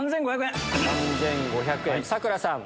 ３５００円。